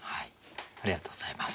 ありがとうございます。